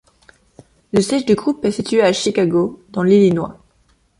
Le siège du groupe est situé à Chicago dans l'Illinois.